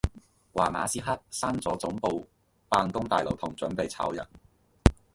話馬斯克閂咗總部辦公大樓同準備炒人